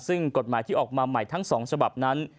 ซึ่งกฎหมายที่ออกมาใหม่ทั้ง๒ฉบับนั้น